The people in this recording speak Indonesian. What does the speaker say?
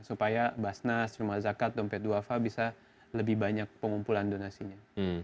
supaya basnas rumah zakat dompet duafa bisa lebih banyak pengumpulan donasinya